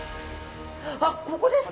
あっここですか！